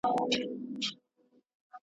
په رګو یې د حرص اور وي لګېدلی `